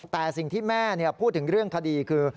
แต่สิ่งที่แม่พูดถึงเรื่องคดีคือ